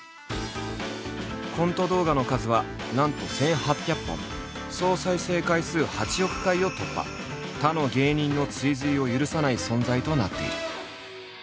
コント動画の数はなんと他の芸人の追随を許さない存在となっている。